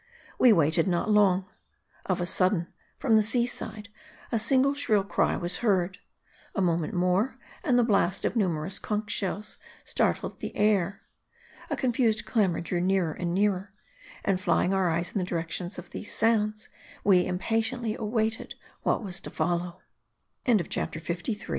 We waited not long. Of a sudden, from the sea side, a single shrill cry was heard. A moment more, and the blast of numerous conch shells startled the air ; a confused clamor drew nearer and nearer ; and fixing our eyes in the direction of these sounds, we impatiently